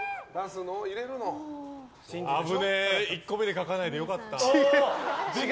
あぶねえ、１個目で書かなくてよかった。